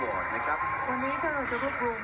วันนี้เราจะพบรวม